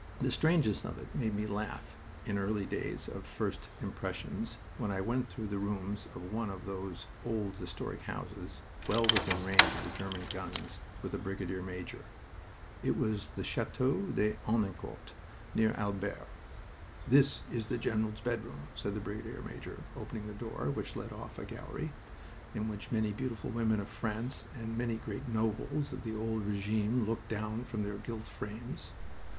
The strangeness of it made me laugh in early days of first impressions, when I went through the rooms of one of those old historic houses, well within range of the German guns with a brigade major. It was the Chateau de Henencourt, near Albert. "This is the general's bedroom," said the brigade major, opening a door which led off a gallery, in which many beautiful women of France and many great nobles of the old regime looked down from their gilt frames.